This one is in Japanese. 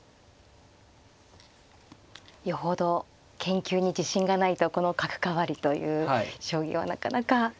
よほど研究に自信がないとこの角換わりという将棋はなかなか。